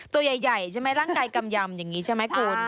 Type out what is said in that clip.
ตัวใหญ่ใช่ไหมร่างกายกำยำอย่างนี้ใช่ไหมคุณ